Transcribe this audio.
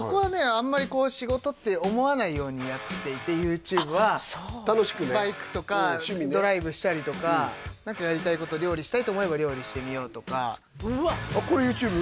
あんまりこう仕事って思わないようにやっていてＹｏｕＴｕｂｅはバイクとかドライブしたりとか何かやりたいこと料理したいと思えば料理してみようとかこれＹｏｕＴｕｂｅ？